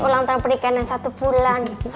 ulang tahun pernikahan yang satu bulan